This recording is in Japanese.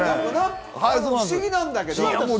不思議なんだけどな。